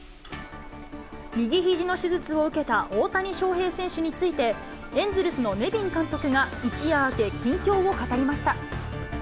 右ひじの手術を受けた大谷翔平選手について、エンゼルスのネビン監督が、一夜明け、近況を語りました。